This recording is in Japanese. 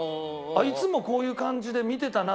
いつもこういう感じで見てたな。